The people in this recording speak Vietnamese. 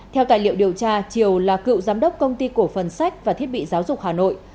theo tài liệu điều tra triều là cựu giám đốc công ty cổ phần sách và thiết bị giáo dục hà nội